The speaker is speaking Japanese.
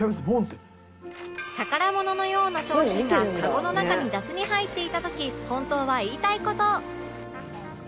宝物のような商品がカゴの中に雑に入っていた時本当は言いたい事